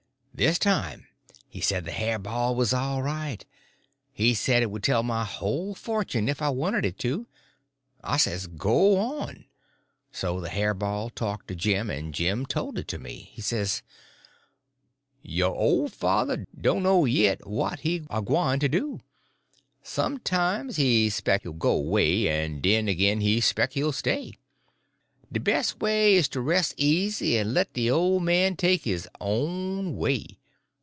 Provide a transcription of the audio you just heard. This time he said the hair ball was all right. He said it would tell my whole fortune if I wanted it to. I says, go on. So the hair ball talked to Jim, and Jim told it to me. He says: "Yo' ole father doan' know yit what he's a gwyne to do. Sometimes he spec he'll go 'way, en den agin he spec he'll stay. De bes' way is to res' easy en let de ole man take his own way.